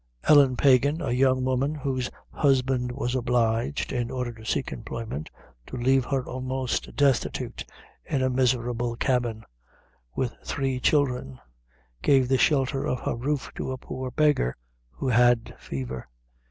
"'Ellen Pagan, a young woman, whose husband was obliged, in order to seek employment, to leave her almost destitute in a miserable cabin, with three children, gave the shelter of her roof to a poor beggar who had fever.